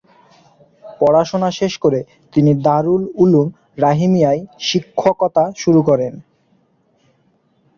পড়াশোনা শেষ করে তিনি দারুল উলুম রাহিমিয়ায় শিক্ষকতা শুরু করেন।